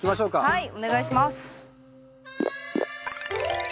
はいお願いします。